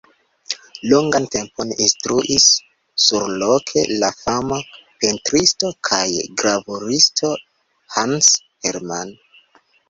Longan tempon instruis surloke la fama pentristo kaj gravuristo Hans Hermann.